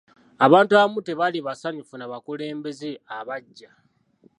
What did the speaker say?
Abantu abamu tebaali basanyufu n'abakulembeze abaggya.